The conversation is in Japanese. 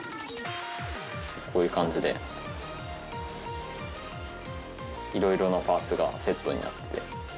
こういう感じで色々なパーツがセットになってて。